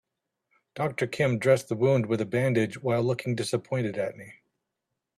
Doctor Kim dressed the wound with a bandage while looking disappointed at me.